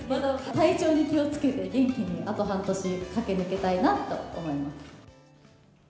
体調に気をつけて、元気にあと半年、駆け抜けたいなと思います。